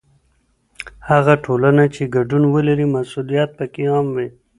هغه ټولنه چې ګډون ولري، مسؤلیت پکې عام وي.